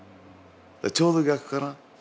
ちょうど逆かな。